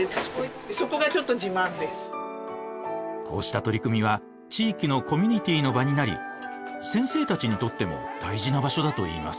こうした取り組みは地域のコミュニティーの場になり先生たちにとっても大事な場所だといいます。